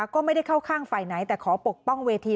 ก็ไม่ได้เข้าข้างฝ่ายไหนแต่ขอปกป้องเวที